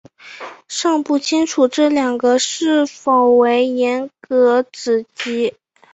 尚不清楚这两个是否为严格子集。